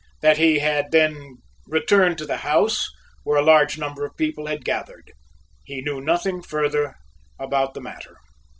That he had then returned to the house, where a large number of people were gathered. He knew nothing further about the matter.